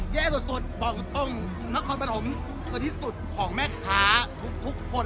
แย่สุดบอกตรงนครปฐมคือที่สุดของแม่ค้าทุกคน